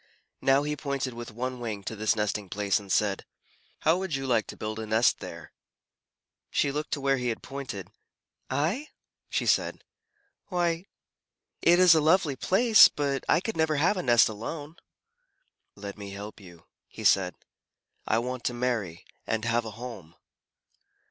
Now he pointed with one wing to this nesting place, and said, "How would you like to build a nest there?" She looked where he had pointed, "I?" she said. "Why, it is a lovely place, but I could never have a nest alone." "Let me help you," he said. "I want to marry and have a home."